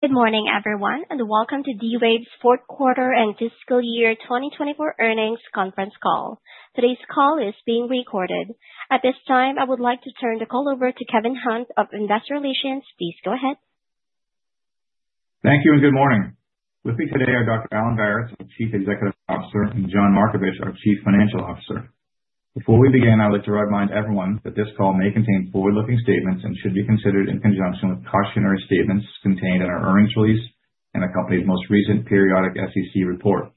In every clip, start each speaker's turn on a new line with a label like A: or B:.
A: Good morning, everyone, and welcome to D-Wave's fourth quarter and fiscal year 2024 earnings conference call. Today's call is being recorded. At this time, I would like to turn the call over to Kevin Hunt of Investor Relations. Please go ahead.
B: Thank you, and good morning. With me today are Dr. Alan Baratz, Chief Executive Officer, and John Markovich, our Chief Financial Officer. Before we begin, I'd like to remind everyone that this call may contain forward-looking statements and should be considered in conjunction with cautionary statements contained in our earnings release and the company's most recent periodic SEC report.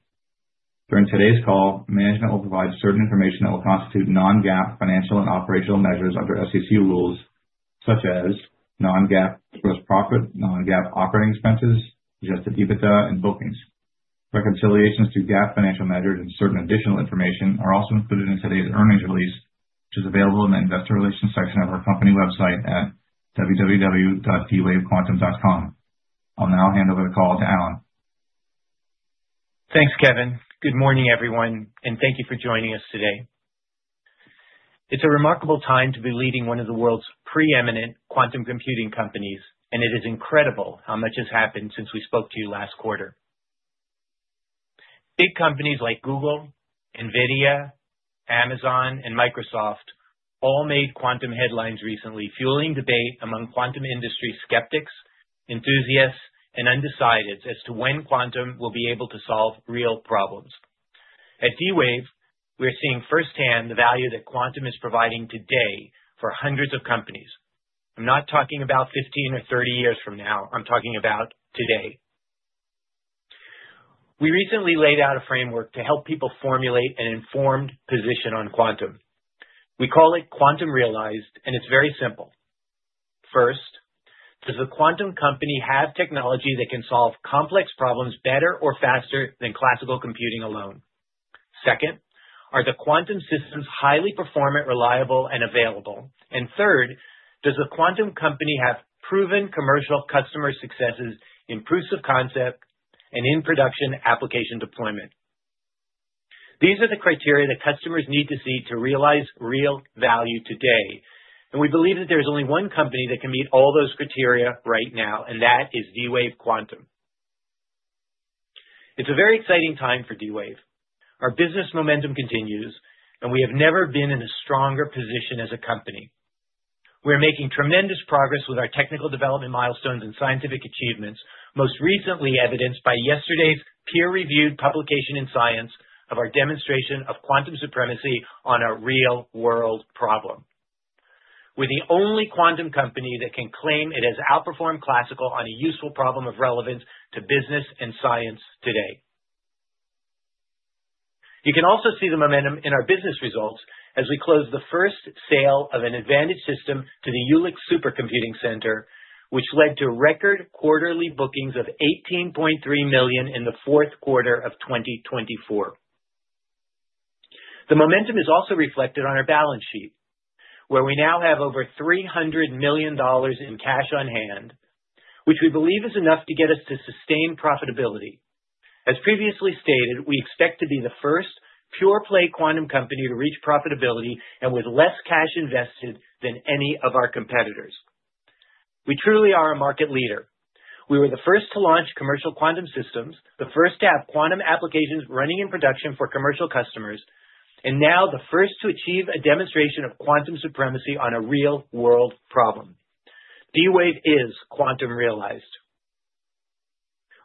B: During today's call, management will provide certain information that will constitute non-GAAP financial and operational measures under SEC rules, such as non-GAAP gross profit, non-GAAP operating expenses, adjusted EBITDA, and bookings. Reconciliations to GAAP financial measures and certain additional information are also included in today's earnings release, which is available in the Investor Relations section of our company website at www.dwavequantum.com. I'll now hand over the call to Alan.
C: Thanks, Kevin. Good morning, everyone, and thank you for joining us today. It's a remarkable time to be leading one of the world's preeminent quantum computing companies, and it is incredible how much has happened since we spoke to you last quarter. Big companies like Google, NVIDIA, Amazon, and Microsoft all made quantum headlines recently, fueling debate among quantum industry skeptics, enthusiasts, and undecideds as to when quantum will be able to solve real problems. At D-Wave, we're seeing firsthand the value that quantum is providing today for hundreds of companies. I'm not talking about 15 or 30 years from now. I'm talking about today. We recently laid out a framework to help people formulate an informed position on quantum. We call it Quantum Realized, and it's very simple. First, does the quantum company have technology that can solve complex problems better or faster than classical computing alone? Second, are the quantum systems highly performant, reliable, and available? Third, does the quantum company have proven commercial customer successes in proofs of concept and in production application deployment? These are the criteria that customers need to see to realize real value today. We believe that there's only one company that can meet all those criteria right now, and that is D-Wave Quantum. It's a very exciting time for D-Wave. Our business momentum continues, and we have never been in a stronger position as a company. We are making tremendous progress with our technical development milestones and scientific achievements, most recently evidenced by yesterday's peer-reviewed publication in Science of our demonstration of quantum supremacy on a real-world problem. We're the only quantum company that can claim it has outperformed classical on a useful problem of relevance to business and science today. You can also see the momentum in our business results as we close the first sale of an advanced system to the Jülich Supercomputing Center, which led to record quarterly bookings of $18.3 million in the 4th quarter of 2024. The momentum is also reflected on our balance sheet, where we now have over $300 million in cash on hand, which we believe is enough to get us to sustained profitability. As previously stated, we expect to be the first pure-play quantum company to reach profitability and with less cash invested than any of our competitors. We truly are a market leader. We were the first to launch commercial quantum systems, the first to have quantum applications running in production for commercial customers, and now the first to achieve a demonstration of quantum supremacy on a real-world problem. D-Wave is Quantum Realized.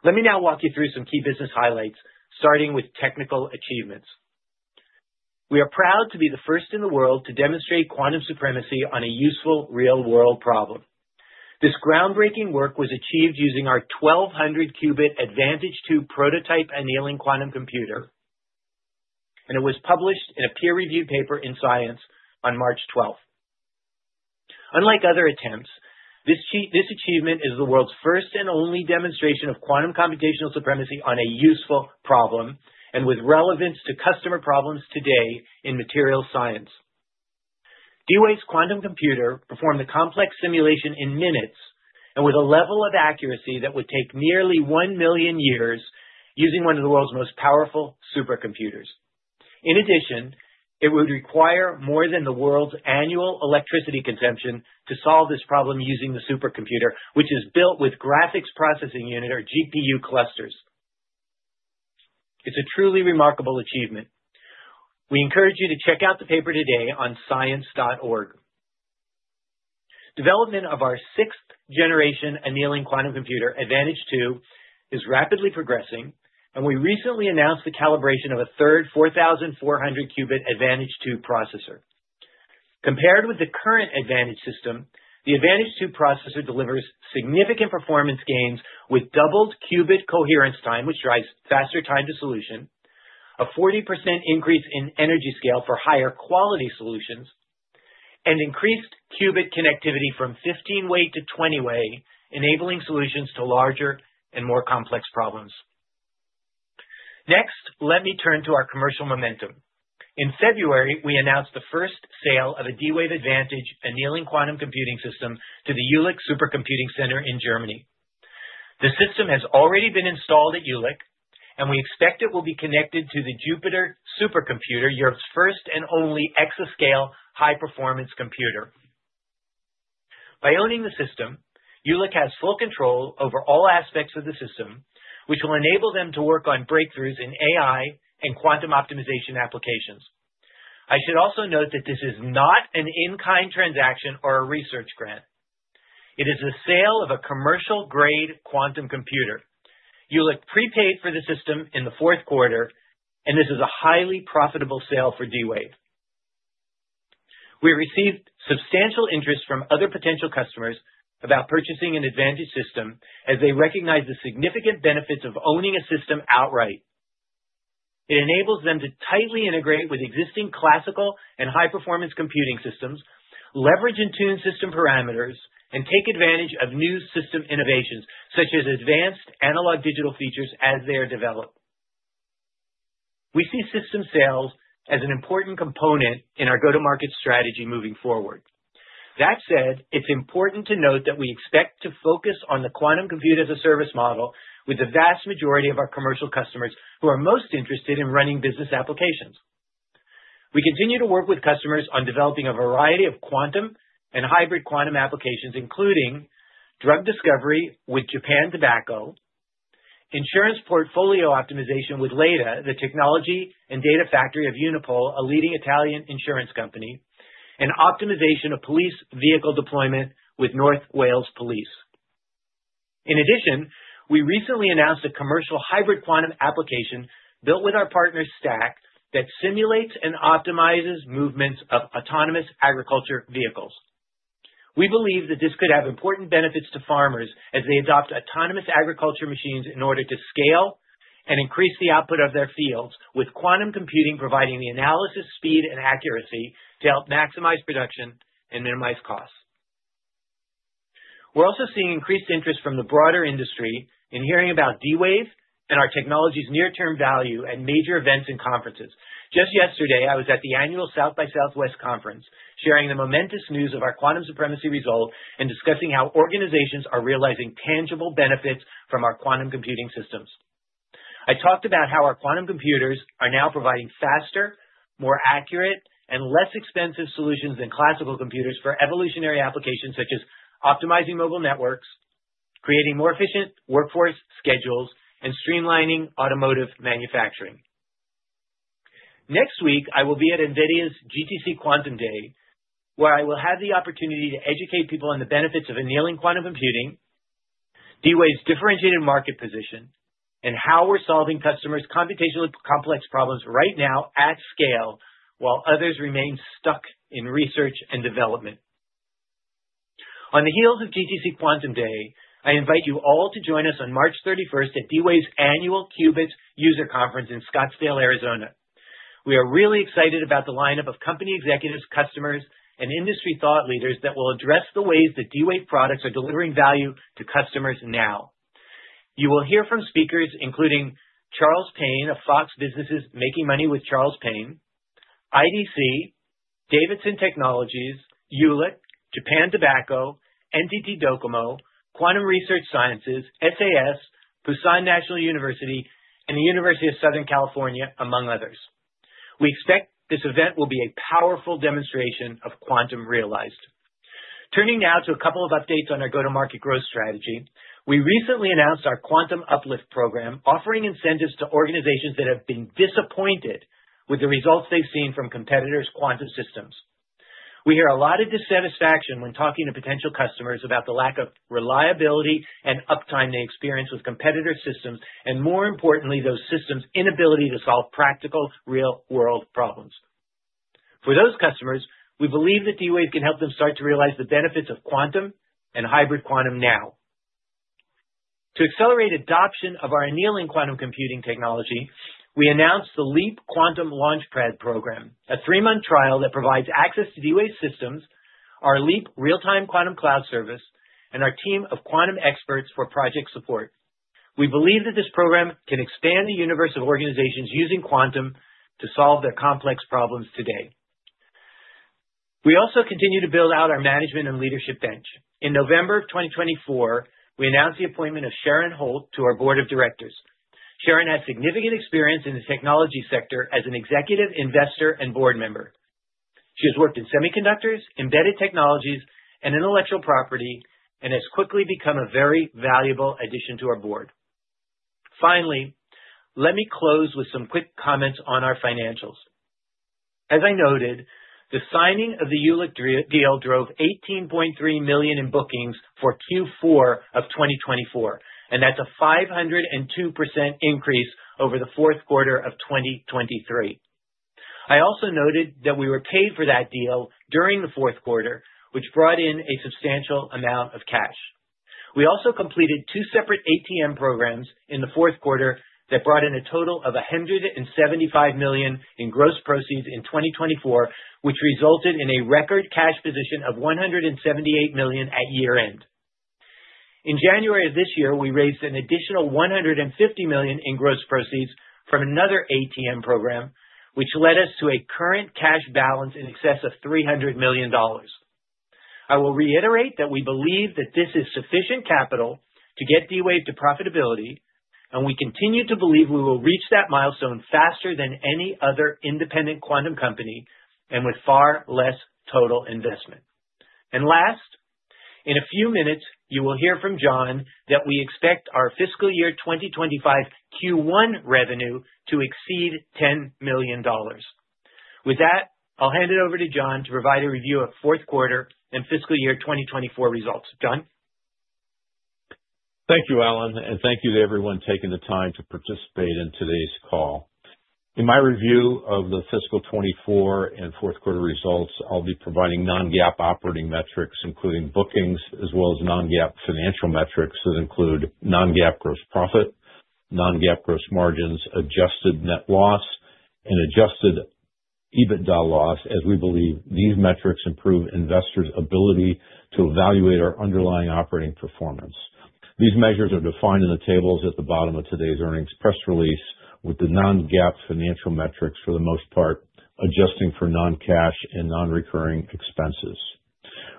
C: Let me now walk you through some key business highlights, starting with technical achievements. We are proud to be the first in the world to demonstrate quantum supremacy on a useful real-world problem. This groundbreaking work was achieved using our 1,200-qubit Advantage2 prototype annealing quantum computer, and it was published in a peer-reviewed paper in Science on March 12. Unlike other attempts, this achievement is the world's first and only demonstration of quantum computational supremacy on a useful problem and with relevance to customer problems today in materials science. D-Wave's quantum computer performed a complex simulation in minutes and with a level of accuracy that would take nearly one million years using one of the world's most powerful supercomputers. In addition, it would require more than the world's annual electricity consumption to solve this problem using the supercomputer, which is built with graphics processing unit or GPU clusters. It's a truly remarkable achievement. We encourage you to check out the paper today on Science.org. Development of our 6th generation annealing quantum computer, Advantage2, is rapidly progressing, and we recently announced the calibration of a third 4,400-qubit Advantage2 processor. Compared with the current Advantage system, the Advantage2 processor delivers significant performance gains with doubled qubit coherence time, which drives faster time to solution, a 40% increase in energy scale for higher quality solutions, and increased qubit connectivity from 15-way to 20-way, enabling solutions to larger and more complex problems. Next, let me turn to our commercial momentum. In February, we announced the first sale of a D-Wave Advantage annealing quantum computing system to the Jülich Supercomputing Centre in Germany. The system has already been installed at Jülich, and we expect it will be connected to the Jupiter Supercomputer, Europe's first and only exascale high-performance computer. By owning the system, Jülich has full control over all aspects of the system, which will enable them to work on breakthroughs in AI and quantum optimization applications. I should also note that this is not an in-kind transaction or a research grant. It is the sale of a commercial-grade quantum computer. Jülich prepaid for the system in the 4th quarter, and this is a highly profitable sale for D-Wave. We received substantial interest from other potential customers about purchasing an Advantage system as they recognize the significant benefits of owning a system outright. It enables them to tightly integrate with existing classical and high-performance computing systems, leverage in-tune system parameters, and take advantage of new system innovations such as advanced analog-digital features as they are developed. We see system sales as an important component in our go-to-market strategy moving forward. That said, it's important to note that we expect to focus on the quantum computer as a service model with the vast majority of our commercial customers who are most interested in running business applications. We continue to work with customers on developing a variety of quantum and hybrid quantum applications, including drug discovery with Japan Tobacco, insurance portfolio optimization with Leithà, the technology and data factory of Unipol, a leading Italian insurance company, and optimization of police vehicle deployment with North Wales Police. In addition, we recently announced a commercial hybrid quantum application built with our partner Stack that simulates and optimizes movements of autonomous agriculture vehicles. We believe that this could have important benefits to farmers as they adopt autonomous agriculture machines in order to scale and increase the output of their fields, with quantum computing providing the analysis speed and accuracy to help maximize production and minimize costs. We're also seeing increased interest from the broader industry in hearing about D-Wave and our technology's near-term value at major events and conferences. Just yesterday, I was at the annual South by Southwest Conference, sharing the momentous news of our quantum supremacy result and discussing how organizations are realizing tangible benefits from our quantum computing systems. I talked about how our quantum computers are now providing faster, more accurate, and less expensive solutions than classical computers for evolutionary applications such as optimizing mobile networks, creating more efficient workforce schedules, and streamlining automotive manufacturing. Next week, I will be at NVIDIA's GTC Quantum Day, where I will have the opportunity to educate people on the benefits of annealing quantum computing, D-Wave's differentiated market position, and how we're solving customers' computationally complex problems right now at scale while others remain stuck in research and development. On the heels of GTC Quantum Day, I invite you all to join us on March 31 at D-Wave's annual Qubits user conference in Scottsdale, Arizona. We are really excited about the lineup of company executives, customers, and industry thought leaders that will address the ways that D-Wave products are delivering value to customers now. You will hear from speakers including Charles Payne of Fox Business' Making Money with Charles Payne, IDC, Davidson Technologies, Jülich, Japan Tobacco, NTT Docomo, Quantum Research Sciences, SAS, Busan National University, and the University of Southern California, among others. We expect this event will be a powerful demonstration of Quantum Realized. Turning now to a couple of updates on our go-to-market growth strategy, we recently announced our Quantum Uplift program, offering incentives to organizations that have been disappointed with the results they've seen from competitors' quantum systems. We hear a lot of dissatisfaction when talking to potential customers about the lack of reliability and uptime they experience with competitor systems and, more importantly, those systems' inability to solve practical real-world problems. For those customers, we believe that D-Wave can help them start to realize the benefits of quantum and hybrid quantum now. To accelerate adoption of our annealing quantum computing technology, we announced the Leap Quantum Launchpad program, a three-month trial that provides access to D-Wave systems, our Leap real-time quantum cloud service, and our team of quantum experts for project support. We believe that this program can expand the universe of organizations using quantum to solve their complex problems today. We also continue to build out our management and leadership bench. In November of 2024, we announced the appointment of Sharon Holt to our Board of Directors. Sharon has significant experience in the technology sector as an executive, investor, and board member. She has worked in semiconductors, embedded technologies, and intellectual property, and has quickly become a very valuable addition to our board. Finally, let me close with some quick comments on our financials. As I noted, the signing of the Jülich deal drove $18.3 million in bookings for Q4 of 2024, and that's a 502% increase over the 4th quarter of 2023. I also noted that we were paid for that deal during the 4th quarter, which brought in a substantial amount of cash. We also completed two separate ATM programs in the 4th quarter that brought in a total of $175 million in gross proceeds in 2024, which resulted in a record cash position of $178 million at year-end. In January of this year, we raised an additional $150 million in gross proceeds from another ATM program, which led us to a current cash balance in excess of $300 million. I will reiterate that we believe that this is sufficient capital to get D-Wave to profitability, and we continue to believe we will reach that milestone faster than any other independent quantum company and with far less total investment. Last, in a few minutes, you will hear from John that we expect our fiscal year 2025 Q1 revenue to exceed $10 million. With that, I'll hand it over to John to provide a review of 4th quarter and fiscal year 2024 results.
D: Thank you, Alan, and thank you to everyone taking the time to participate in today's call. In my review of the fiscal 2024 and 4th quarter results, I'll be providing non-GAAP operating metrics, including bookings, as well as non-GAAP financial metrics that include non-GAAP gross profit, non-GAAP gross margins, adjusted net loss, and adjusted EBITDA loss, as we believe these metrics improve investors' ability to evaluate our underlying operating performance. These measures are defined in the tables at the bottom of today's earnings press release, with the non-GAAP financial metrics for the most part adjusting for non-cash and non-recurring expenses.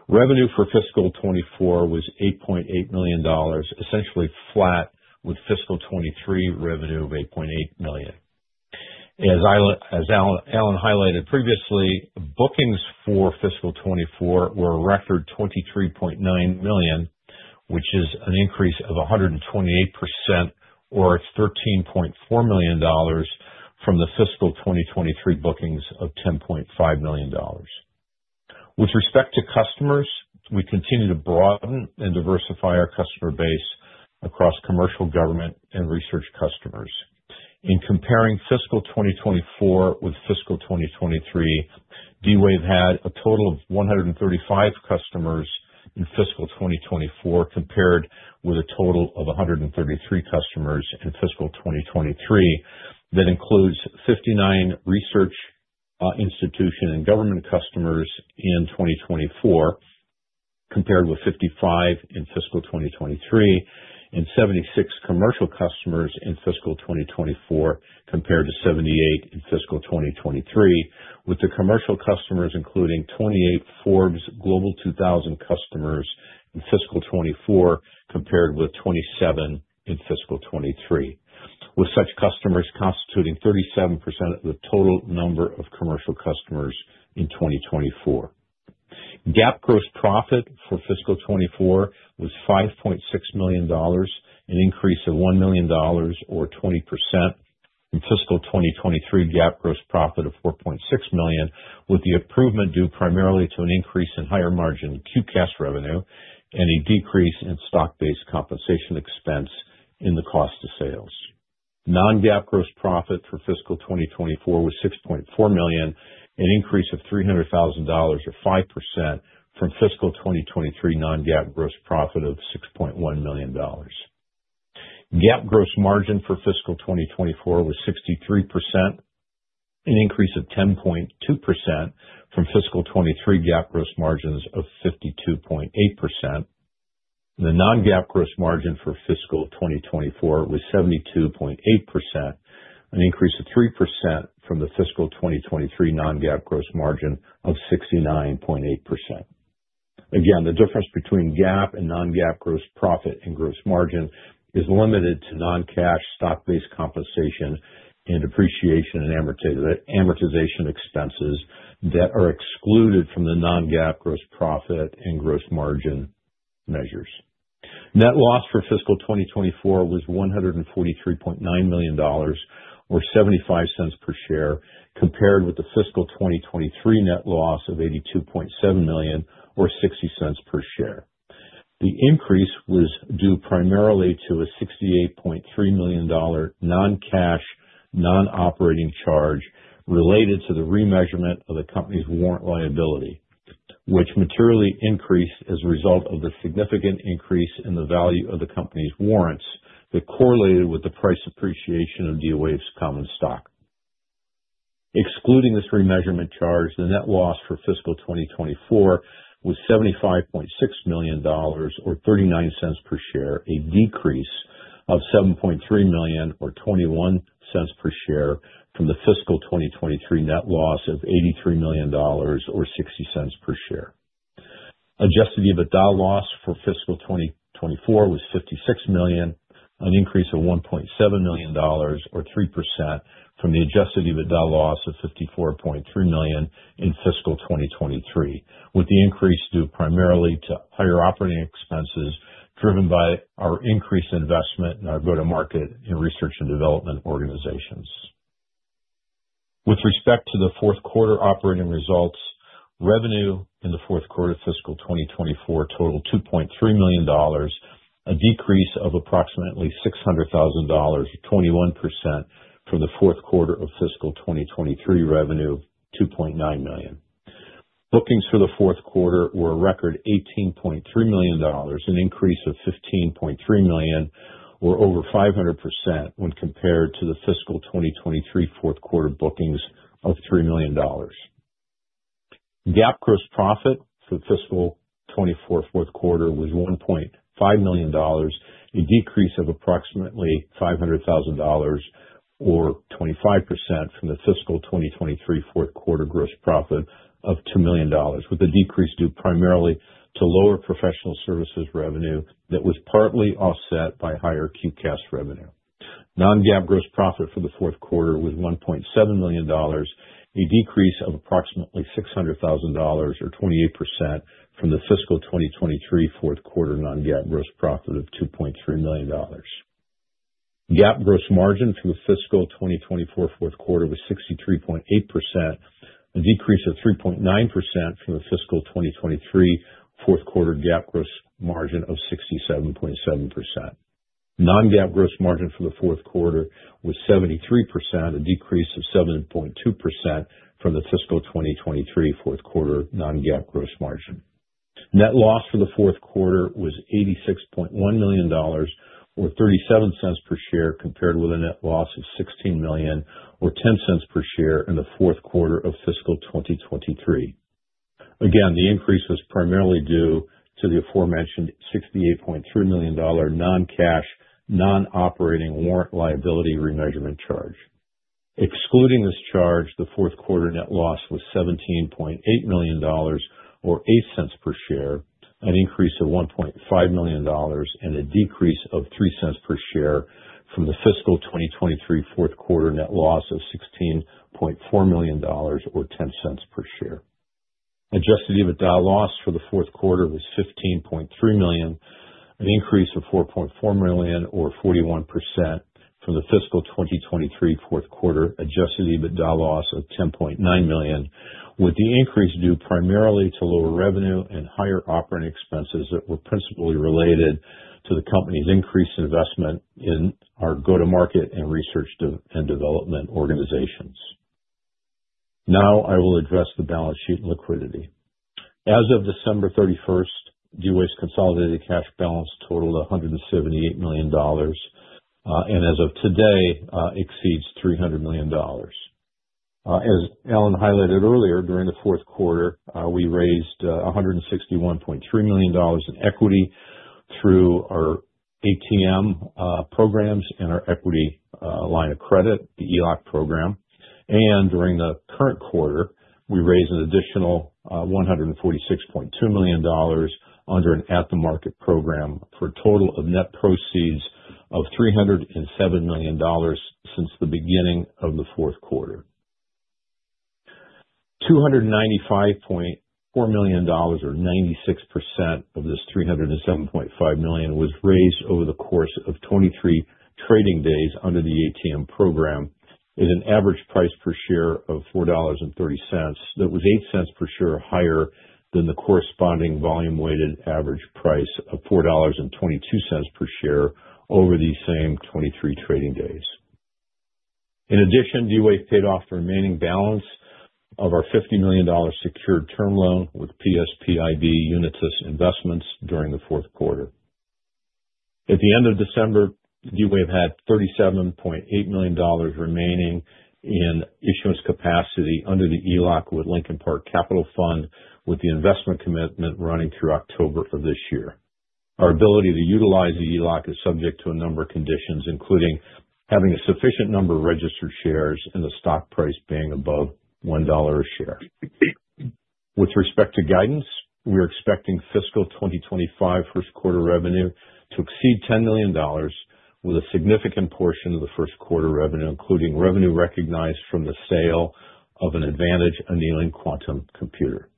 D: Revenue for fiscal 2024 was $8.8 million, essentially flat with fiscal 2023 revenue of $8.8 million. As Alan highlighted previously, bookings for fiscal 2024 were a record $23.9 million, which is an increase of 128% or $13.4 million from the fiscal 2023 bookings of $10.5 million. With respect to customers, we continue to broaden and diversify our customer base across commercial, government, and research customers. In comparing fiscal 2024 with fiscal 2023, D-Wave had a total of 135 customers in fiscal 2024 compared with a total of 133 customers in fiscal 2023. That includes 59 research institution and government customers in 2024, compared with 55 in fiscal 2023, and 76 commercial customers in fiscal 2024, compared to 78 in fiscal 2023, with the commercial customers including 28 Forbes Global 2000 customers in fiscal 2024, compared with 27 in fiscal 2023, with such customers constituting 37% of the total number of commercial customers in 2024. GAAP gross profit for fiscal 2024 was $5.6 million, an increase of $1 million or 20%, and fiscal 2023 GAAP gross profit of $4.6 million, with the improvement due primarily to an increase in higher margin QCAS revenue and a decrease in stock-based compensation expense in the cost of sales. Non-GAAP gross profit for fiscal 2024 was $6.4 million, an increase of $300,000 or 5% from fiscal 2023 non-GAAP gross profit of $6.1 million. GAAP gross margin for fiscal 2024 was 63%, an increase of 10.2% from fiscal 2023 GAAP gross margins of 52.8%. The non-GAAP gross margin for fiscal 2024 was 72.8%, an increase of 3% from the fiscal 2023 non-GAAP gross margin of 69.8%. Again, the difference between GAAP and non-GAAP gross profit and gross margin is limited to non-cash stock-based compensation and depreciation and amortization expenses that are excluded from the non-GAAP gross profit and gross margin measures. Net loss for fiscal 2024 was $143.9 million or $0.75 per share, compared with the fiscal 2023 net loss of $82.7 million or $0.60 per share. The increase was due primarily to a $68.3 million non-cash non-operating charge related to the remeasurement of the company's warrant liability, which materially increased as a result of the significant increase in the value of the company's warrants that correlated with the price appreciation of D-Wave's common stock. Excluding this remeasurement charge, the net loss for fiscal 2024 was $75.6 million or $0.39 per share, a decrease of $7.3 million or $0.21 per share from the fiscal 2023 net loss of $83 million or $0.60 per share. Adjusted EBITDA loss for fiscal 2024 was $56 million, an increase of $1.7 million or 3% from the adjusted EBITDA loss of $54.3 million in fiscal 2023, with the increase due primarily to higher operating expenses driven by our increased investment in our go-to-market and research and development organizations. With respect to the 4th quarter operating results, revenue in the 4th quarter of fiscal 2024 totaled $2.3 million, a decrease of approximately $600,000 or 21% from the 4th quarter of fiscal 2023 revenue of $2.9 million. Bookings for the 4th quarter were a record $18.3 million, an increase of $15.3 million, or over 500% when compared to the fiscal 2023 4th quarter bookings of $3 million. GAAP gross profit for fiscal 2024 4th quarter was $1.5 million, a decrease of approximately $500,000 or 25% from the fiscal 2023 4th quarter gross profit of $2 million, with a decrease due primarily to lower professional services revenue that was partly offset by higher QCAS revenue. Non-GAAP gross profit for the 4th quarter was $1.7 million, a decrease of approximately $600,000 or 28% from the fiscal 2023 4th quarter non-GAAP gross profit of $2.3 million. GAAP gross margin for fiscal 2024 4th quarter was 63.8%, a decrease of 3.9% from the fiscal 2023 4th quarter GAAP gross margin of 67.7%. Non-GAAP gross margin for the 4th quarter was 73%, a decrease of 7.2% from the fiscal 2023 4th quarter non-GAAP gross margin. Net loss for the 4th quarter was $86.1 million or $0.37 per share, compared with a net loss of $16 million or $0.10 per share in the 4th quarter of fiscal 2023. Again, the increase was primarily due to the aforementioned $68.3 million non-cash non-operating warrant liability remeasurement charge. Excluding this charge, the 4th quarter net loss was $17.8 million or $0.08 per share, an increase of $1.5 million and a decrease of $0.03 per share from the fiscal 2023 4th quarter net loss of $16.4 million or $0.10 per share. Adjusted EBITDA loss for the 4th quarter was $15.3 million, an increase of $4.4 million or 41% from the fiscal 2023 4th quarter adjusted EBITDA loss of $10.9 million, with the increase due primarily to lower revenue and higher operating expenses that were principally related to the company's increased investment in our go-to-market and research and development organizations. Now, I will address the balance sheet liquidity. As of December 31st, D-Wave's consolidated cash balance totaled $178 million, and as of today, exceeds $300 million. As Alan highlighted earlier, during the 4th quarter, we raised $161.3 million in equity through our ATM programs and our equity line of credit, the ELOC program. During the current quarter, we raised an additional $146.2 million under an at-the-market program for a total of net proceeds of $307 million since the beginning of the 4th quarter. $295.4 million, or 96% of this $307.5 million, was raised over the course of 23 trading days under the ATM program at an average price per share of $4.30 that was $0.08 per share higher than the corresponding volume-weighted average price of $4.22 per share over the same 23 trading days. In addition, D-Wave paid off the remaining balance of our $50 million secured term loan with PSP Investments Unitus Investments during the 4th quarter. At the end of December, D-Wave had $37.8 million remaining in issuance capacity under the ELOC with Lincoln Park Capital Fund, with the investment commitment running through October of this year. Our ability to utilize the ELOC is subject to a number of conditions, including having a sufficient number of registered shares and the stock price being above $1 a share. With respect to guidance, we are expecting fiscal 2025 1st quarter revenue to exceed $10 million, with a significant portion of the 1st quarter revenue, including revenue recognized from the sale of an Advantage annealing quantum computer.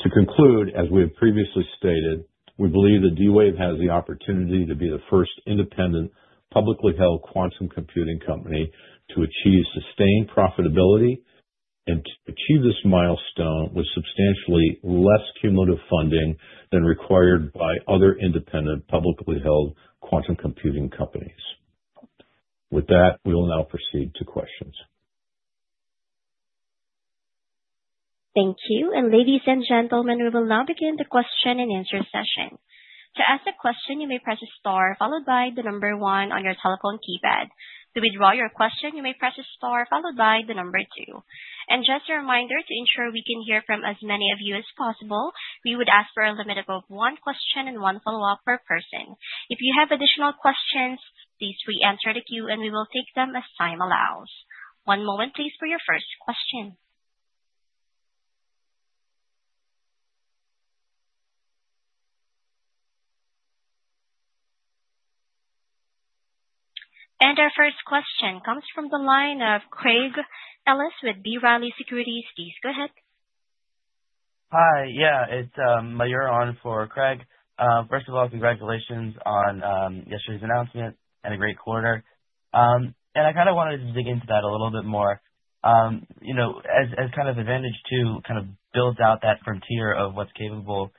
D: To conclude, as we have previously stated, we believe that D-Wave has the opportunity to be the first independent publicly held quantum computing company to achieve sustained profitability and to achieve this milestone with substantially less cumulative funding than required by other independent publicly held quantum computing companies. With that, we will now proceed to questions.
A: Thank you. Ladies and gentlemen, we will now begin the question and answer session. To ask a question, you may press a star followed by the number one on your telephone keypad. To withdraw your question, you may press a star followed by the number two. Just a reminder, to ensure we can hear from as many of you as possible, we would ask for a limit of one question and one follow-up per person. If you have additional questions, please re-enter the queue, and we will take them as time allows. One moment, please, for your first question. Our first question comes from the line of Craig Ellis with B. Riley Securities. Please go ahead.
E: Hi. Yeah, it's Mayur on for Craig. First of all, congratulations on yesterday's announcement and a great quarter. I kind of wanted to dig into that a little bit more. As Advantage2 kind of builds out that frontier of what's capable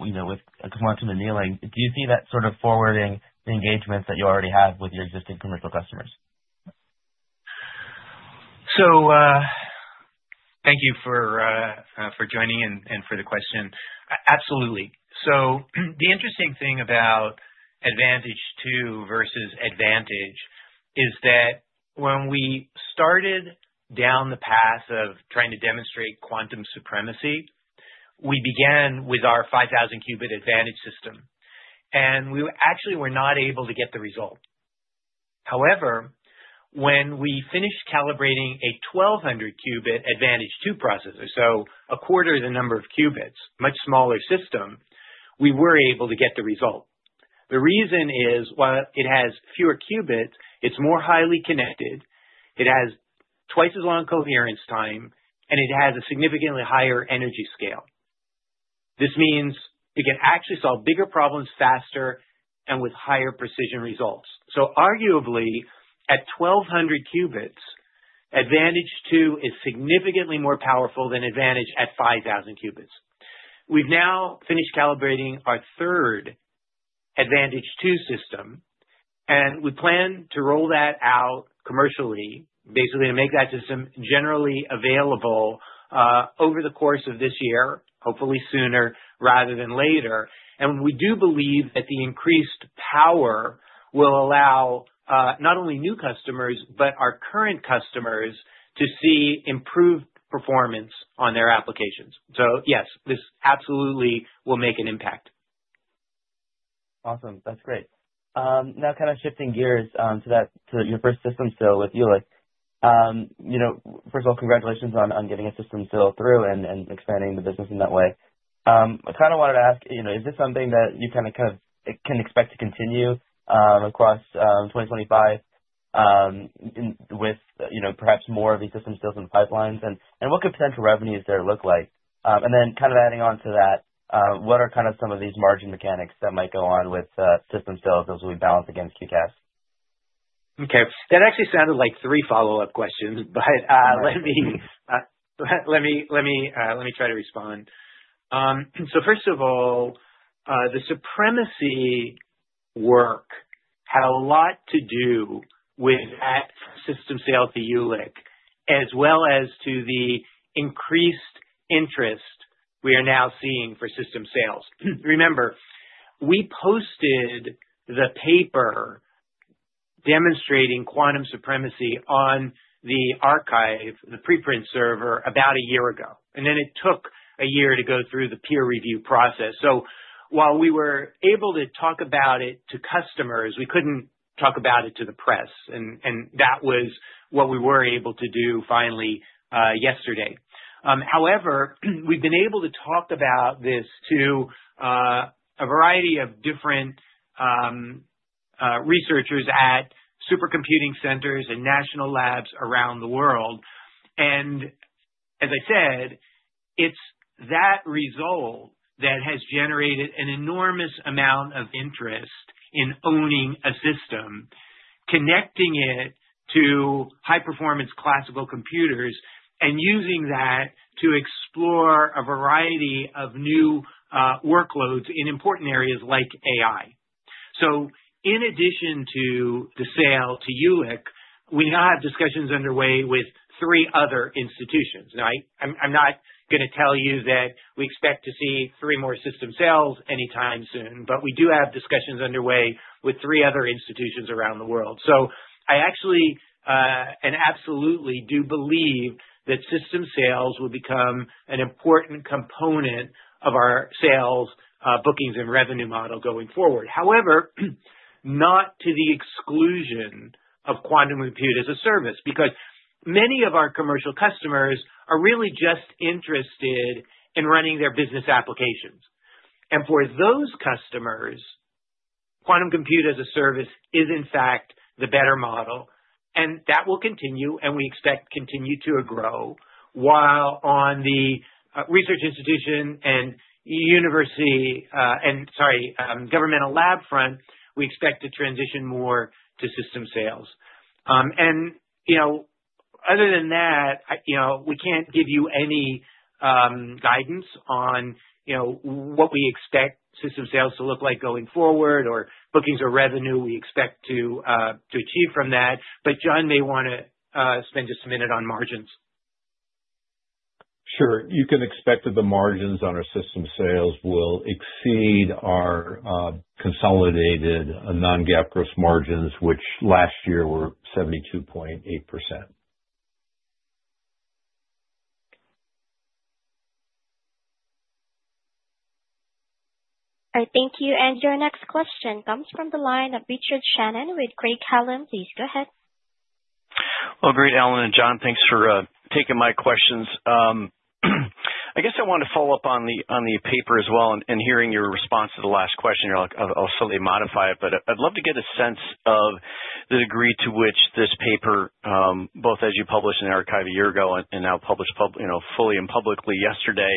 E: with quantum annealing, do you see that sort of forwarding the engagements that you already have with your existing commercial customers?
C: Thank you for joining and for the question. Absolutely. The interesting thing about Advantage2 versus Advantage is that when we started down the path of trying to demonstrate quantum supremacy, we began with our 5,000 qubit Advantage system. We actually were not able to get the result. However, when we finished calibrating a 1,200 qubit Advantage2 processor, so a quarter of the number of qubits, much smaller system, we were able to get the result. The reason is, while it has fewer qubits, it is more highly connected, it has twice as long coherence time, and it has a significantly higher energy scale. This means it can actually solve bigger problems faster and with higher precision results. Arguably, at 1,200 qubits, Advantage2 is significantly more powerful than Advantage at 5,000 qubits. We've now finished calibrating our 3rd Advantage2 system, and we plan to roll that out commercially, basically to make that system generally available over the course of this year, hopefully sooner rather than later. We do believe that the increased power will allow not only new customers but our current customers to see improved performance on their applications. Yes, this absolutely will make an impact.
E: Awesome. That's great. Now, kind of shifting gears to your first system sale with Jülich, first of all, congratulations on getting a system sale through and expanding the business in that way. I kind of wanted to ask, is this something that you kind of can expect to continue across 2025 with perhaps more of these system sales in the pipelines? What could potential revenues there look like? Then kind of adding on to that, what are kind of some of these margin mechanics that might go on with system sales as we balance against QCAS?
C: Okay. That actually sounded like three follow-up questions, but let me try to respond. First of all, the supremacy work had a lot to do with that system sale to Jülich, as well as to the increased interest we are now seeing for system sales. Remember, we posted the paper demonstrating quantum supremacy on the archive, the preprint server, about a year ago. It took a year to go through the peer review process. While we were able to talk about it to customers, we could not talk about it to the press. That was what we were able to do finally yesterday. However, we've been able to talk about this to a variety of different researchers at supercomputing centers and national labs around the world. As I said, it's that result that has generated an enormous amount of interest in owning a system, connecting it to high-performance classical computers, and using that to explore a variety of new workloads in important areas like AI. In addition to the sale to Jülich, we now have discussions underway with three other institutions. I'm not going to tell you that we expect to see three more system sales anytime soon, but we do have discussions underway with three other institutions around the world. I actually and absolutely do believe that system sales will become an important component of our sales bookings and revenue model going forward. However, not to the exclusion of quantum compute as a service, because many of our commercial customers are really just interested in running their business applications. For those customers, quantum compute as a service is, in fact, the better model. That will continue, and we expect to continue to grow while on the research institution and university and, sorry, governmental lab front, we expect to transition more to system sales. Other than that, we can't give you any guidance on what we expect system sales to look like going forward or bookings or revenue we expect to achieve from that. John may want to spend just a minute on margins.
D: Sure. You can expect that the margins on our system sales will exceed our consolidated non-GAAP gross margins, which last year were 72.8%.
A: All right. Thank you. Your next question comes from the line of Richard Shannon with Craig Hallum. Please go ahead.
F: Great, Alan and John. Thanks for taking my questions. I guess I want to follow up on the paper as well and hearing your response to the last question. I'll slightly modify it, but I'd love to get a sense of the degree to which this paper, both as you published in the archive a year ago and now published fully and publicly yesterday,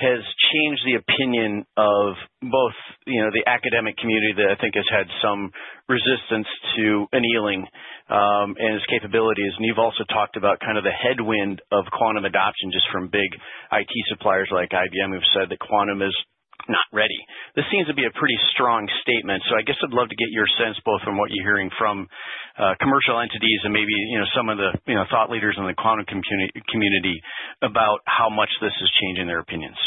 F: has changed the opinion of both the academic community that I think has had some resistance to annealing and its capabilities. You've also talked about kind of the headwind of quantum adoption just from big IT suppliers like IBM who've said that quantum is not ready. This seems to be a pretty strong statement. I guess I'd love to get your sense both from what you're hearing from commercial entities and maybe some of the thought leaders in the quantum community about how much this is changing their opinions.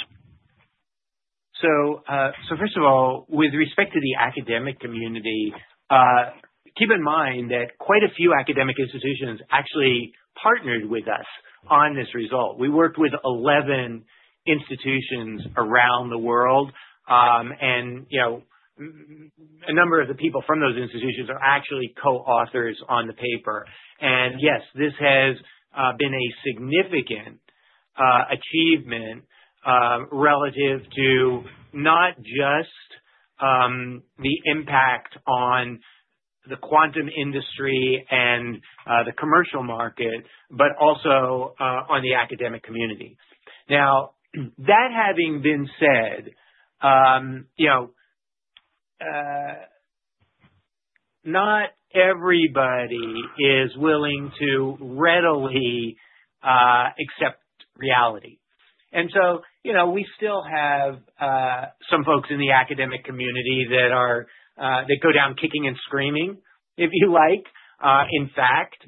C: First of all, with respect to the academic community, keep in mind that quite a few academic institutions actually partnered with us on this result. We worked with 11 institutions around the world, and a number of the people from those institutions are actually co-authors on the paper. Yes, this has been a significant achievement relative to not just the impact on the quantum industry and the commercial market, but also on the academic community. That having been said, not everybody is willing to readily accept reality. We still have some folks in the academic community that go down kicking and screaming, if you like. In fact,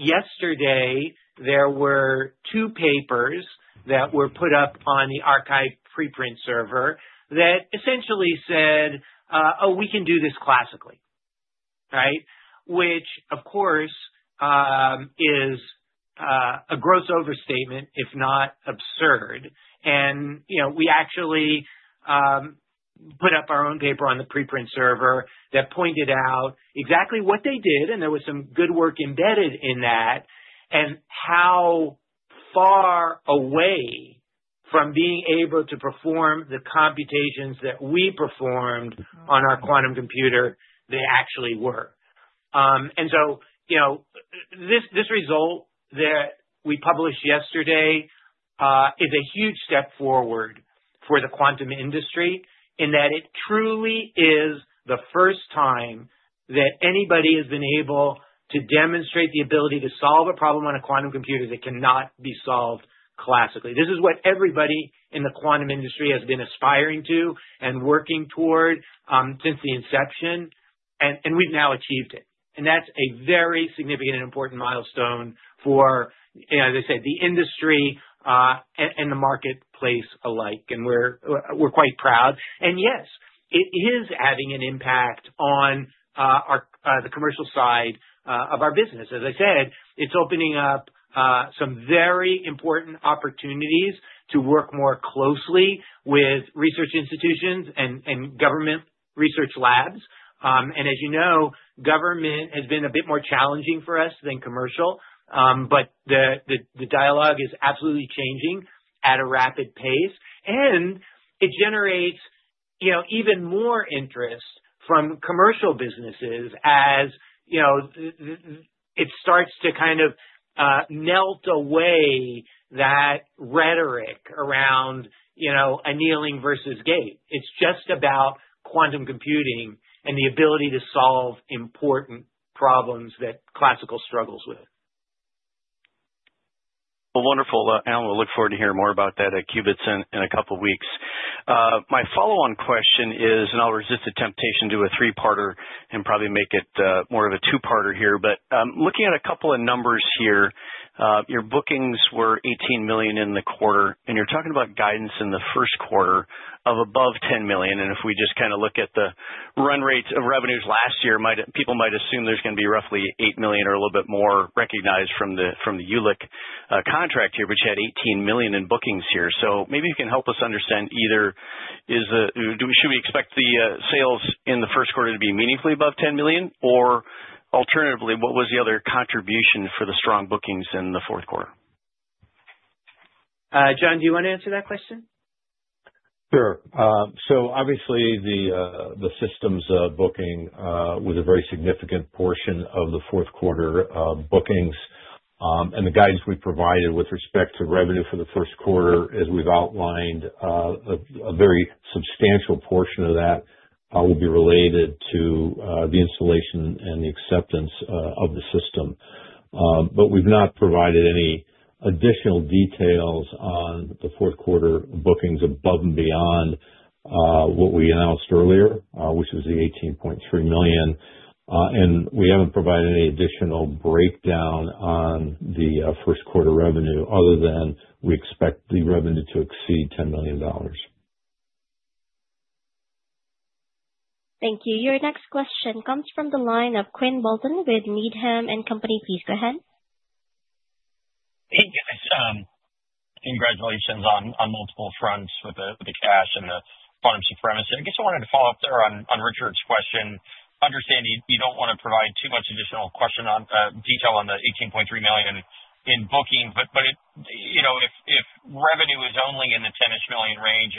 C: yesterday, there were two papers that were put up on the archive preprint server that essentially said, "Oh, we can do this classically," right? Which, of course, is a gross overstatement, if not absurd. We actually put up our own paper on the preprint server that pointed out exactly what they did, and there was some good work embedded in that, and how far away from being able to perform the computations that we performed on our quantum computer they actually were. This result that we published yesterday is a huge step forward for the quantum industry in that it truly is the first time that anybody has been able to demonstrate the ability to solve a problem on a quantum computer that cannot be solved classically. This is what everybody in the quantum industry has been aspiring to and working toward since the inception, and we've now achieved it. That is a very significant and important milestone for, as I said, the industry and the marketplace alike. We're quite proud. Yes, it is having an impact on the commercial side of our business. As I said, it's opening up some very important opportunities to work more closely with research institutions and government research labs. As you know, government has been a bit more challenging for us than commercial, but the dialogue is absolutely changing at a rapid pace. It generates even more interest from commercial businesses as it starts to kind of melt away that rhetoric around annealing versus gate. It's just about quantum computing and the ability to solve important problems that classical struggles with.
F: Wonderful. Alan, we'll look forward to hearing more about that at Qubits in a couple of weeks. My follow-on question is, and I'll resist the temptation to do a three-parter and probably make it more of a two-parter here, but looking at a couple of numbers here, your bookings were $18 million in the quarter, and you're talking about guidance in the 1st quarter of above $10 million. If we just kind of look at the run rates of revenues last year, people might assume there's going to be roughly $8 million or a little bit more recognized from the Jülich contract here, but you had $18 million in bookings here. Maybe you can help us understand either should we expect the sales in the 1st quarter to be meaningfully above $10 million, or alternatively, what was the other contribution for the strong bookings in the 4th quarter?
C: John, do you want to answer that question?
D: Sure. Obviously, the systems booking was a very significant portion of the 4th quarter bookings. The guidance we provided with respect to revenue for the 1st quarter, as we've outlined, a very substantial portion of that will be related to the installation and the acceptance of the system. We've not provided any additional details on the 4th quarter bookings above and beyond what we announced earlier, which was the $18.3 million. We haven't provided any additional breakdown on the 1st quarter revenue other than we expect the revenue to exceed $10 million.
A: Thank you. Your next question comes from the line of Quinn Bolton with Needham & Company. Please go ahead.
G: Hey, guys. Congratulations on multiple fronts with the QCAS and the quantum supremacy. I guess I wanted to follow up there on Richard's question. Understanding you don't want to provide too much additional detail on the $18.3 million in bookings, but if revenue is only in the $10-ish million range,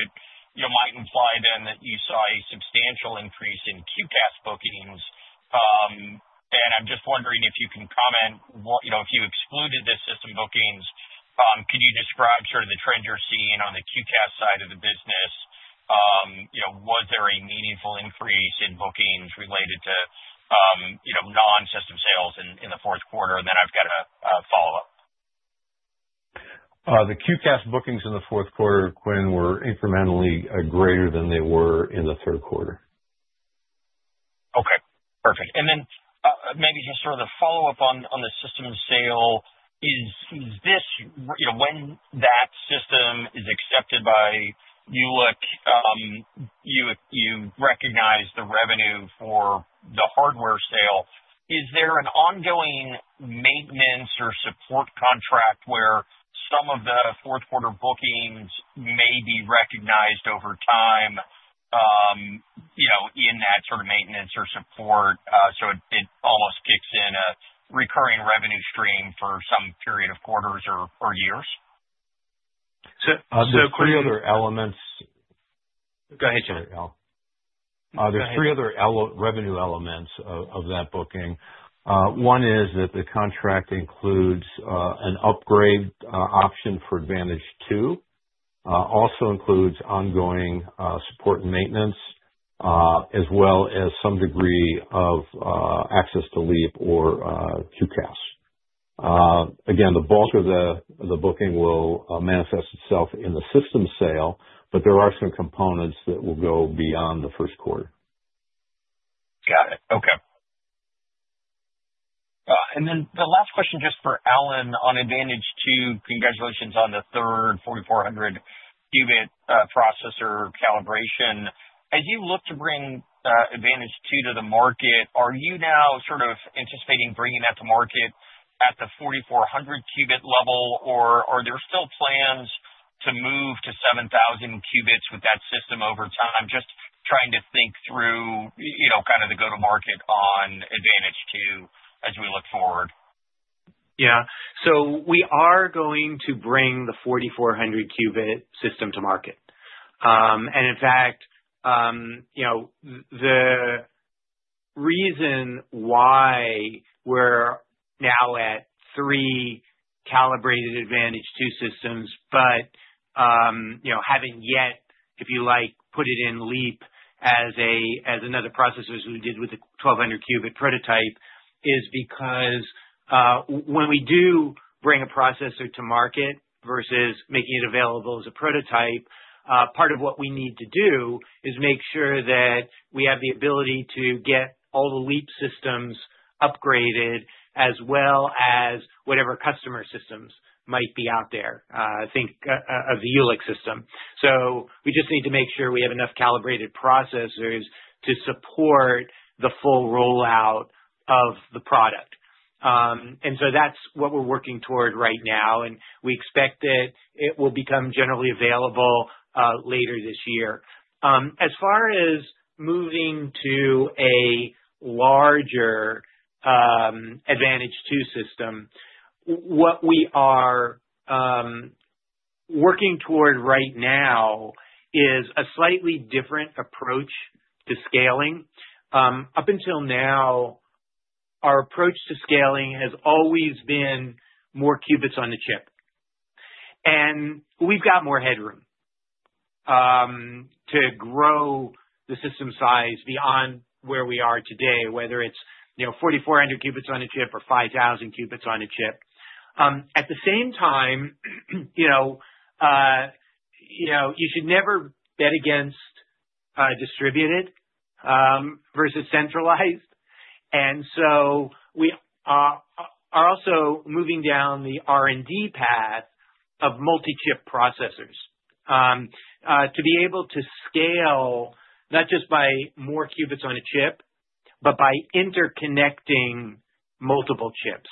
G: it might imply then that you saw a substantial increase in QCAS bookings. I'm just wondering if you can comment, if you excluded the system bookings, could you describe sort of the trend you're seeing on the QCAS side of the business? Was there a meaningful increase in bookings related to non-system sales in the 4th quarter? I've got a follow-up.
D: The QCAS bookings in the 4th quarter, Quinn, were incrementally greater than they were in the 3rd quarter. Okay.
G: Perfect. Maybe just sort of a follow-up on the system sale. When that system is accepted by Jülich, you recognize the revenue for the hardware sale. Is there an ongoing maintenance or support contract where some of the fourth-quarter bookings may be recognized over time in that sort of maintenance or support so it almost kicks in a recurring revenue stream for some period of quarters or years?
D: Three other elements
C: go ahead, John. There are three other revenue elements of that booking. One is that the contract includes an upgrade option for Advantage 2, also includes ongoing support and maintenance, as well as some degree of access to Leap or QCAS. Again, the bulk of the booking will manifest itself in the system sale, but there are some components that will go beyond the 1st quarter.
G: Got it. Okay. The last question just for Alan on Advantage2. Congratulations on the third 4,400 qubit processor calibration. As you look to bring Advantage2 to the market, are you now sort of anticipating bringing that to market at the 4,400 qubit level, or are there still plans to move to 7,000 qubits with that system over time? Just trying to think through kind of the go-to-market on Advantage2 as we look forward.
C: Yeah. We are going to bring the 4,400 qubit system to market. In fact, the reason why we're now at three calibrated Advantage2 systems, but haven't yet, if you like, put it in Leap as another processor as we did with the 1200 qubit prototype, is because when we do bring a processor to market versus making it available as a prototype, part of what we need to do is make sure that we have the ability to get all the Leap systems upgraded as well as whatever customer systems might be out there, I think, of the Jülich system. We just need to make sure we have enough calibrated processors to support the full rollout of the product. That's what we're working toward right now, and we expect that it will become generally available later this year. As far as moving to a larger Advantage2 system, what we are working toward right now is a slightly different approach to scaling. Up until now, our approach to scaling has always been more qubits on the chip. And we've got more headroom to grow the system size beyond where we are today, whether it's 4,400 qubits on a chip or 5,000 qubits on a chip. At the same time, you should never bet against distributed versus centralized. And so we are also moving down the R&D path of multi-chip processors to be able to scale not just by more qubits on a chip, but by interconnecting multiple chips.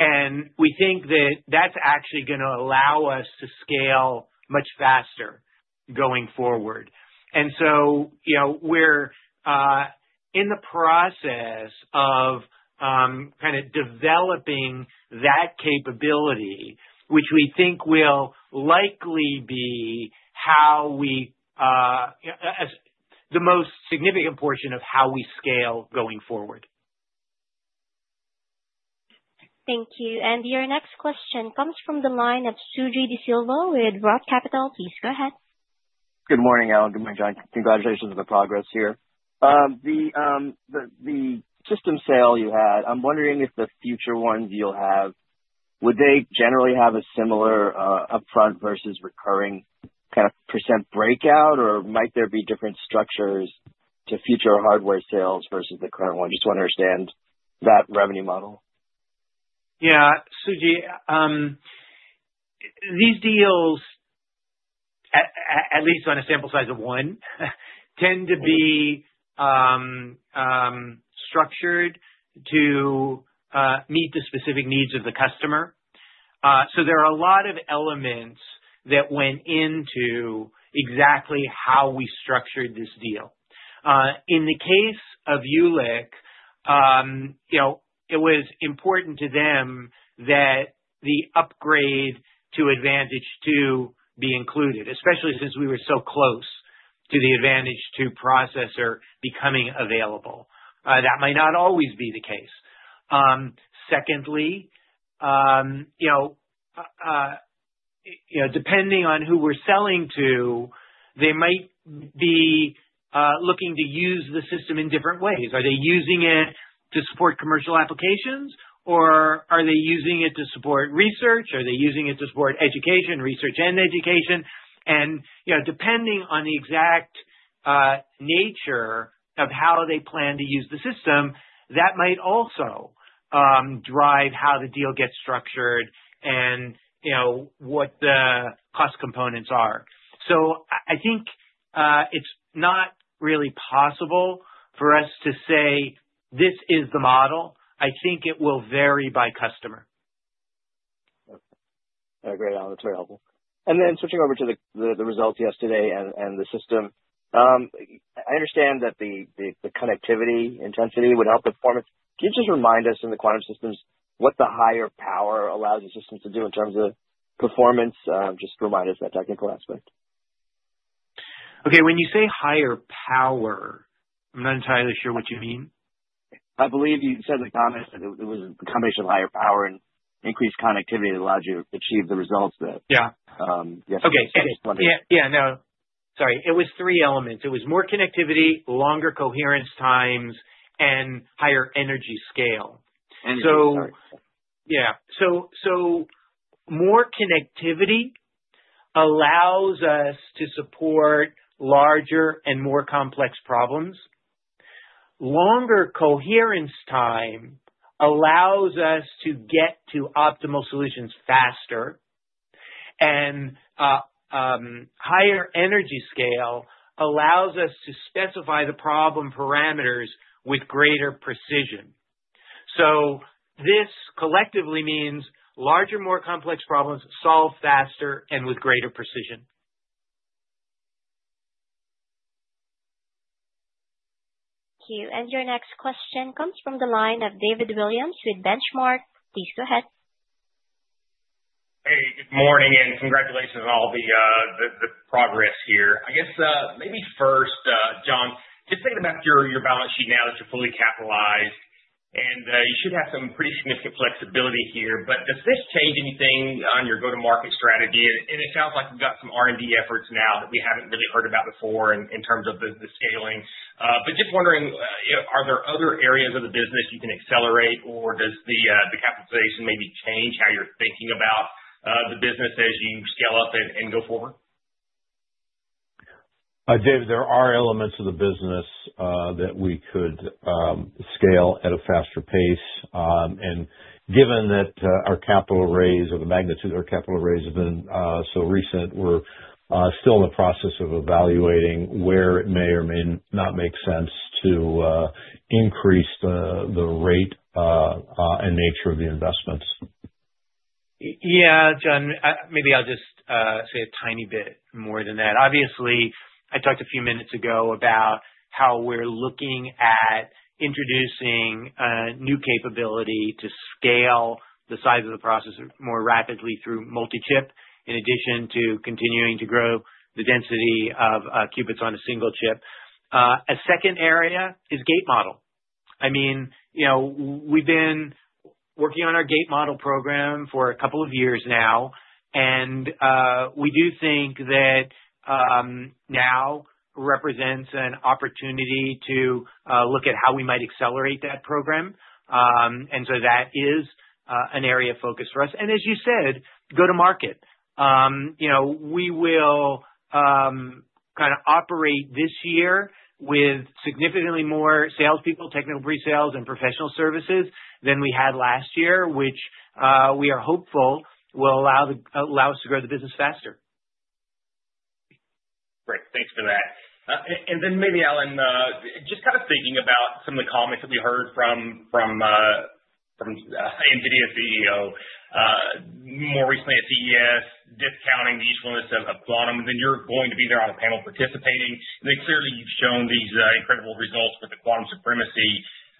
C: And we think that that's actually going to allow us to scale much faster going forward. We're in the process of kind of developing that capability, which we think will likely be the most significant portion of how we scale going forward.
A: Thank you. Your next question comes from the line of Suji Desilva with Roth Capital. Please go ahead.
H: Good morning, Alan. Good morning, John. Congratulations on the progress here. The system sale you had, I'm wondering if the future ones you'll have, would they generally have a similar upfront versus recurring kind of percent breakout, or might there be different structures to future hardware sales versus the current one? Just want to understand that revenue model.
C: Yeah. Suji, these deals, at least on a sample size of one, tend to be structured to meet the specific needs of the customer. There are a lot of elements that went into exactly how we structured this deal. In the case of Jülich, it was important to them that the upgrade to Advantage2 be included, especially since we were so close to the Advantage2 processor becoming available. That might not always be the case. Secondly, depending on who we're selling to, they might be looking to use the system in different ways. Are they using it to support commercial applications, or are they using it to support research? Are they using it to support education, research, and education? Depending on the exact nature of how they plan to use the system, that might also drive how the deal gets structured and what the cost components are. I think it's not really possible for us to say, "This is the model." I think it will vary by customer.
H: Okay. Great. That's very helpful. Then switching over to the results yesterday and the system, I understand that the connectivity intensity would help performance. Can you just remind us in the quantum systems what the higher power allows the systems to do in terms of performance? Just remind us of that technical aspect.
C: Okay. When you say higher power, I'm not entirely sure what you mean.
H: I believe you said in the comments that it was a combination of higher power and increased connectivity that allowed you to achieve the results that yesterday was wondering.
C: Yeah. Yeah. No. Sorry. It was three elements. It was more connectivity, longer coherence times, and higher energy scale. More connectivity allows us to support larger and more complex problems. Longer coherence time allows us to get to optimal solutions faster. Higher energy scale allows us to specify the problem parameters with greater precision. This collectively means larger, more complex problems solved faster and with greater precision.
A: Thank you. Your next question comes from the line of David Williams with Benchmark. Please go ahead.
I: Hey. Good morning, and congratulations on all the progress here. I guess maybe first, John, just thinking about your balance sheet now that you're fully capitalized, and you should have some pretty significant flexibility here. Does this change anything on your go-to-market strategy? It sounds like you've got some R&D efforts now that we haven't really heard about before in terms of the scaling. Just wondering, are there other areas of the business you can accelerate, or does the capitalization maybe change how you're thinking about the business as you scale up and go forward?
D: David, there are elements of the business that we could scale at a faster pace. Given that our capital raise or the magnitude of our capital raise has been so recent, we're still in the process of evaluating where it may or may not make sense to increase the rate and nature of the investments.
C: Yeah, John. Maybe I'll just say a tiny bit more than that. Obviously, I talked a few minutes ago about how we're looking at introducing a new capability to scale the size of the processor more rapidly through multi-chip in addition to continuing to grow the density of qubits on a single chip. A second area is gate model. I mean, we've been working on our gate model program for a couple of years now, and we do think that now represents an opportunity to look at how we might accelerate that program. That is an area of focus for us. As you said, go-to-market. We will kind of operate this year with significantly more salespeople, technical resales, and professional services than we had last year, which we are hopeful will allow us to grow the business faster.
I: Great. Thanks for that. Maybe, Alan, just kind of thinking about some of the comments that we heard from NVIDIA CEO, more recently at CES, discounting the usefulness of quantum, and then you're going to be there on a panel participating. Clearly, you've shown these incredible results with the quantum supremacy.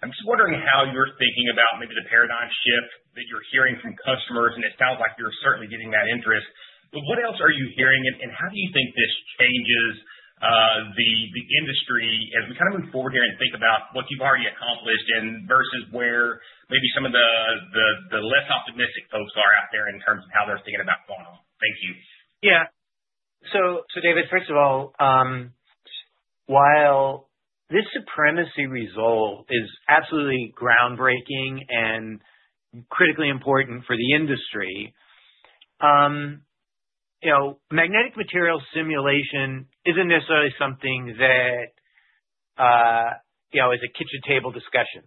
I: I'm just wondering how you're thinking about maybe the paradigm shift that you're hearing from customers, and it sounds like you're certainly getting that interest. What else are you hearing, and how do you think this changes the industry as we kind of move forward here and think about what you've already accomplished versus where maybe some of the less optimistic folks are out there in terms of how they're thinking about quantum? Thank you.
C: Yeah. David, first of all, while this supremacy result is absolutely groundbreaking and critically important for the industry, magnetic material simulation isn't necessarily something that is a kitchen table discussion.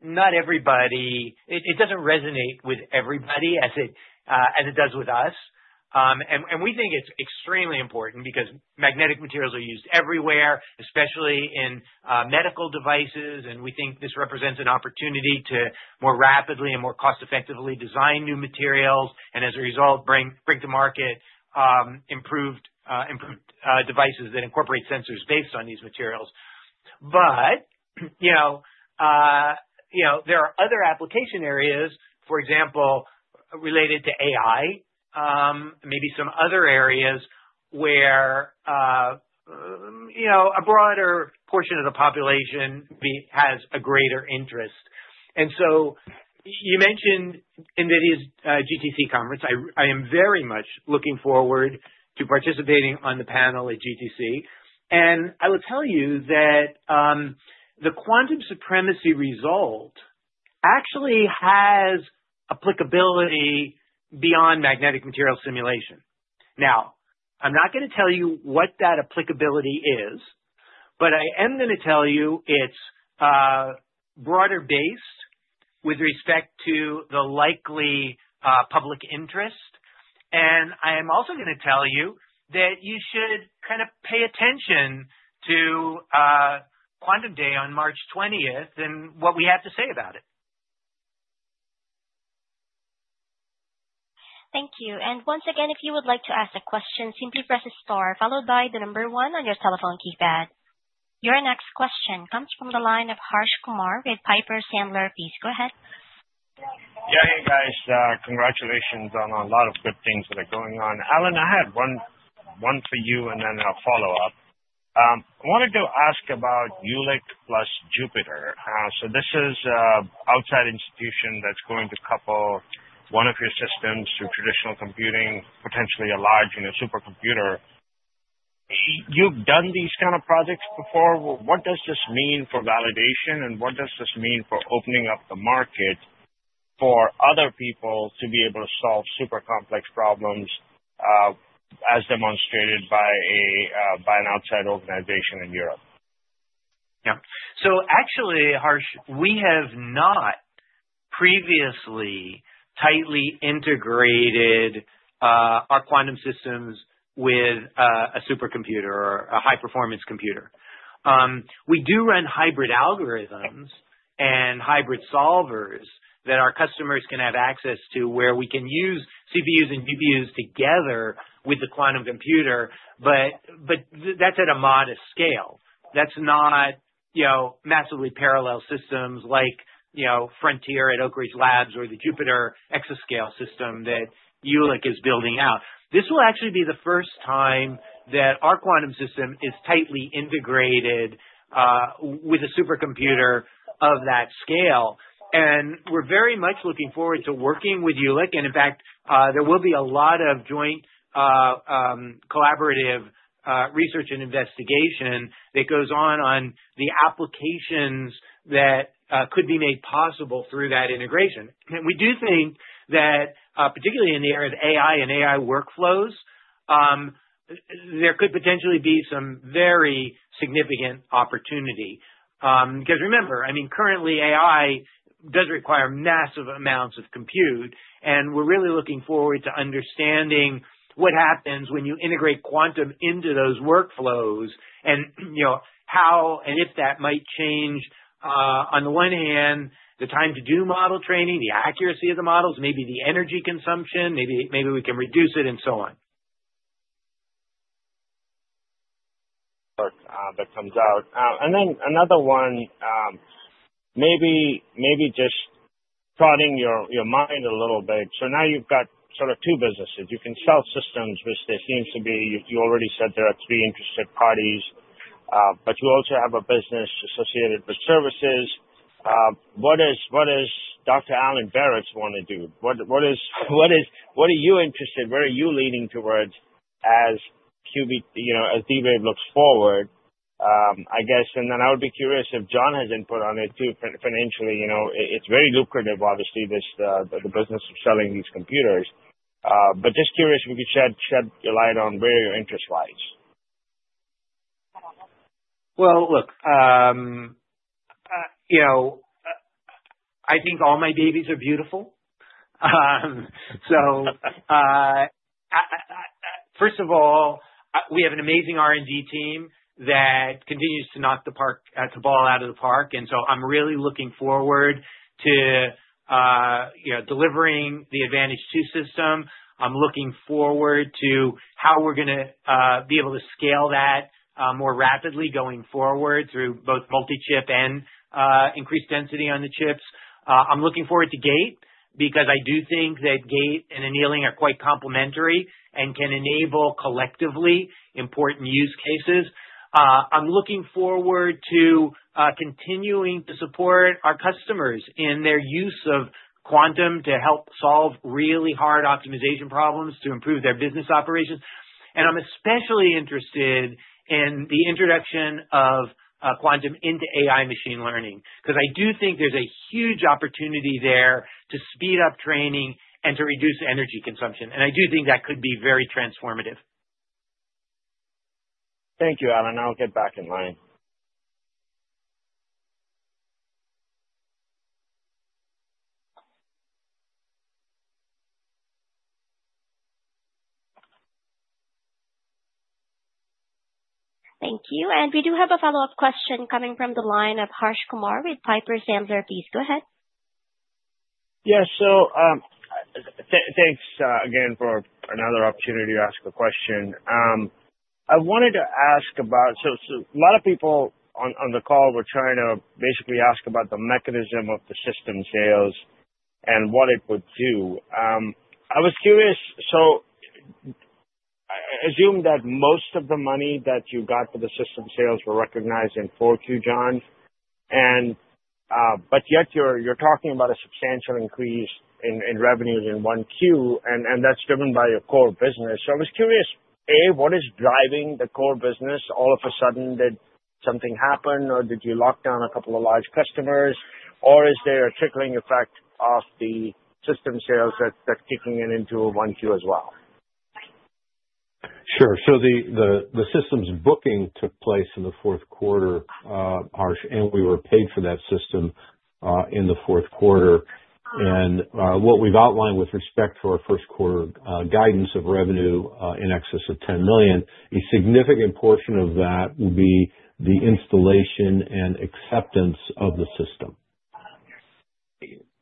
C: Not everybody, it doesn't resonate with everybody as it does with us. We think it's extremely important because magnetic materials are used everywhere, especially in medical devices, and we think this represents an opportunity to more rapidly and more cost-effectively design new materials and, as a result, bring to market improved devices that incorporate sensors based on these materials. There are other application areas, for example, related to AI, maybe some other areas where a broader portion of the population has a greater interest. You mentioned NVIDIA's GTC conference. I am very much looking forward to participating on the panel at GTC. I will tell you that the quantum supremacy result actually has applicability beyond magnetic material simulation. Now, I'm not going to tell you what that applicability is, but I am going to tell you it's broader-based with respect to the likely public interest. I am also going to tell you that you should kind of pay attention to Quantum Day on March 20th and what we have to say about it.
A: Thank you. Once again, if you would like to ask a question, simply press a star followed by the number one on your telephone keypad. Your next question comes from the line of Harsh Kumar with Piper Sandler, please go ahead.
J: Yeah. Hey, guys. Congratulations on a lot of good things that are going on. Alan, I had one for you, and then I'll follow up. I wanted to ask about Jülich plus Jupiter. So this is an outside institution that's going to couple one of your systems to traditional computing, potentially a large supercomputer. You've done these kind of projects before. What does this mean for validation, and what does this mean for opening up the market for other people to be able to solve super complex problems as demonstrated by an outside organization in Europe?
C: Yeah. Actually, Harsh, we have not previously tightly integrated our quantum systems with a supercomputer or a high-performance computer. We do run hybrid algorithms and hybrid solvers that our customers can have access to where we can use CPUs and GPUs together with the quantum computer, but that's at a modest scale. That's not massively parallel systems like Frontier at Oak Ridge Labs or the Jupiter exascale system that Jülich is building out. This will actually be the first time that our quantum system is tightly integrated with a supercomputer of that scale. We are very much looking forward to working with Jülich. In fact, there will be a lot of joint collaborative research and investigation that goes on on the applications that could be made possible through that integration. We do think that, particularly in the area of AI and AI workflows, there could potentially be some very significant opportunity. Because remember, I mean, currently, AI does require massive amounts of compute, and we're really looking forward to understanding what happens when you integrate quantum into those workflows and how and if that might change, on the one hand, the time-to-do model training, the accuracy of the models, maybe the energy consumption, maybe we can reduce it, and so on.
J: That comes out. Another one, maybe just prodding your mind a little bit. Now you've got sort of two businesses. You can sell systems, which there seems to be you already said there are three interested parties, but you also have a business associated with services. What does Dr. Alan Baratz want to do? What are you interested? Where are you leaning towards as D-Wave looks forward, I guess? I would be curious if John has input on it too. Financially, it's very lucrative, obviously, the business of selling these computers. Just curious if you could shed your light on where your interest lies.
C: Look, I think all my babies are beautiful. First of all, we have an amazing R&D team that continues to knock the ball out of the park. I'm really looking forward to delivering the Advantage2 system. I'm looking forward to how we're going to be able to scale that more rapidly going forward through both multi-chip and increased density on the chips. I'm looking forward to gate because I do think that gate and annealing are quite complementary and can enable collectively important use cases. I'm looking forward to continuing to support our customers in their use of quantum to help solve really hard optimization problems to improve their business operations. I'm especially interested in the introduction of quantum into AI machine learning because I do think there's a huge opportunity there to speed up training and to reduce energy consumption. I do think that could be very transformative.
J: Thank you, Alan. I'll get back in line.
A: Thank you. We do have a follow-up question coming from the line of Harsh Kumar with Piper Sandler, please go ahead.
J: Yeah. Thanks again for another opportunity to ask a question. I wanted to ask about, so a lot of people on the call were trying to basically ask about the mechanism of the system sales and what it would do. I was curious. I assume that most of the money that you got for the system sales were recognized in Q4, John. Yet, you're talking about a substantial increase in revenues in Q1, and that's driven by your core business. I was curious, A, what is driving the core business? All of a sudden, did something happen, or did you lock down a couple of large customers, or is there a trickling effect off the system sales that's kicking in into Q1 as well?
D: Sure. The system's booking took place in the 4th quarter, Harsh, and we were paid for that system in the 4th quarter. What we've outlined with respect to our 1st quarter guidance of revenue in excess of $10 million, a significant portion of that will be the installation and acceptance of the system.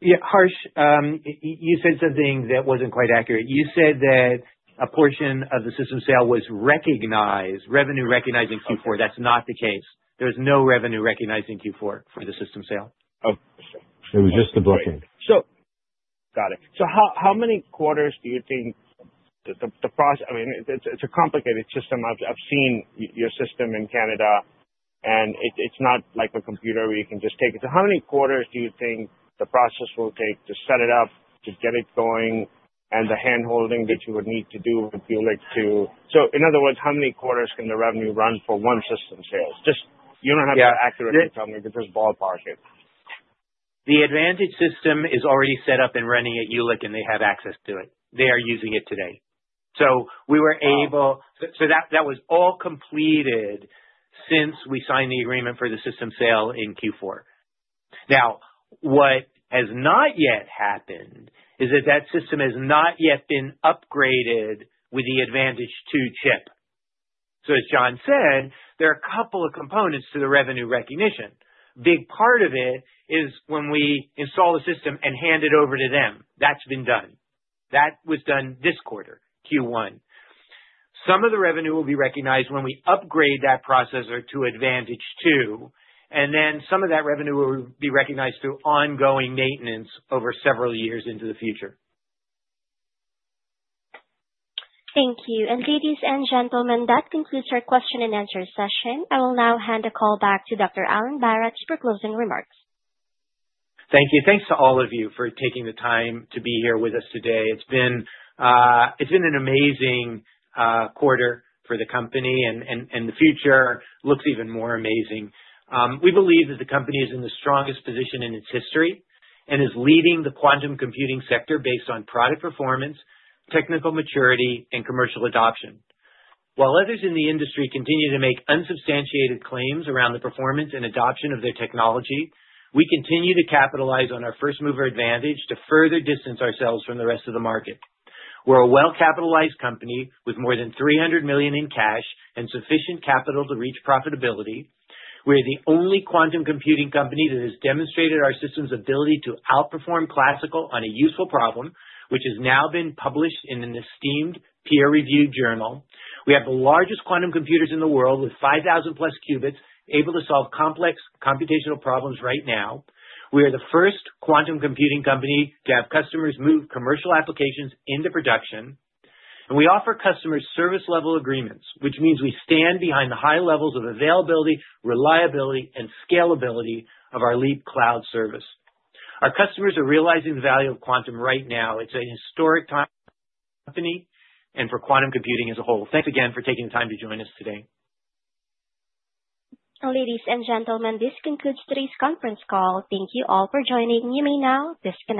C: Yeah. Harsh, you said something that wasn't quite accurate. You said that a portion of the system sale was revenue recognized in Q4. That's not the case. There was no revenue recognized in Q4 for the system sale.
D: It was just the booking.
J: Got it. How many quarters do you think the process, I mean, it's a complicated system. I've seen your system in Canada, and it's not like a computer where you can just take it. How many quarters do you think the process will take to set it up, to get it going, and the handholding that you would need to do with Jülich too? In other words, how many quarters can the revenue run for one system sales? You don't have to accurately tell me because just ballpark it.
C: The Advantage system is already set up and running at Jülich, and they have access to it. They are using it today. We were able, so that was all completed since we signed the agreement for the system sale in Q4. Now, what has not yet happened is that that system has not yet been upgraded with the Advantage2 chip. As John said, there are a couple of components to the revenue recognition. A big part of it is when we install the system and hand it over to them. That's been done. That was done this quarter, Q1. Some of the revenue will be recognized when we upgrade that processor to Advantage2, and then some of that revenue will be recognized through ongoing maintenance over several years into the future.
A: Thank you. Ladies and gentlemen, that concludes our question and answer session. I will now hand the call back to Dr. Alan Baratz for closing remarks.
C: Thank you. Thanks to all of you for taking the time to be here with us today. It's been an amazing quarter for the company, and the future looks even more amazing. We believe that the company is in the strongest position in its history and is leading the quantum computing sector based on product performance, technical maturity, and commercial adoption. While others in the industry continue to make unsubstantiated claims around the performance and adoption of their technology, we continue to capitalize on our first-mover advantage to further distance ourselves from the rest of the market. We're a well-capitalized company with more than $300 million in cash and sufficient capital to reach profitability. We are the only quantum computing company that has demonstrated our system's ability to outperform classical on a useful problem, which has now been published in an esteemed peer-reviewed journal. We have the largest quantum computers in the world with 5,000+ qubits able to solve complex computational problems right now. We are the first quantum computing company to have customers move commercial applications into production. We offer customers service-level agreements, which means we stand behind the high levels of availability, reliability, and scalability of our Leap cloud service. Our customers are realizing the value of quantum right now. It is a historic time for the company and for quantum computing as a whole. Thanks again for taking the time to join us today.
A: Ladies and gentlemen, this concludes today's conference call. Thank you all for joining. You may now disconnect.